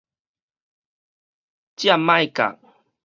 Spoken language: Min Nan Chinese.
占買甲